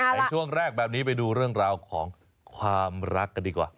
ในช่วงแรกแบบนี้ไปดูเรื่องราวของความรักกันดีกว่า